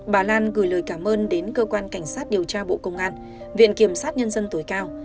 bà lan gửi lời cảm ơn đến cơ quan cảnh sát điều tra bộ công an viện kiểm sát nhân dân tối cao